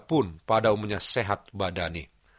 dia pun pada umumnya sehat badani